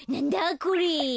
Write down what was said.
これ。